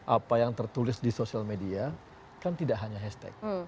apa yang tertulis di sosial media kan tidak hanya hashtag